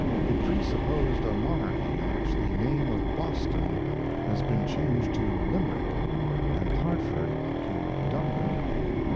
It presupposed a monarchy in which the name of Boston has been changed to "Limerick," and Hartford to "Dublin."